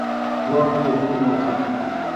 وہ اب موجود نہ تھا۔